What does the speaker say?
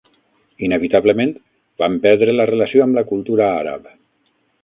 Inevitablement, vam perdre la relació amb la cultura àrab.